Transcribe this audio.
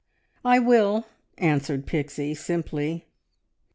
"I will," answered Pixie simply.